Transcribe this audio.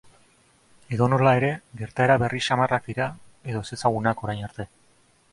Edonola ere, gertaera berri samarrak dira, edo ezezagunak orain arte.